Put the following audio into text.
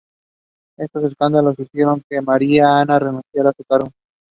In this village there is only one street.